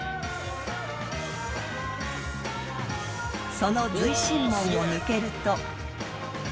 ［その随神門を抜けると］